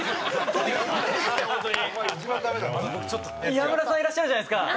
宮村さんいらっしゃるじゃないですか。